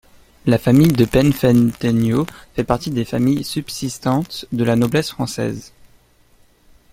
La famille de Penfentenyo fait partie des familles subsistantes de la noblesse française.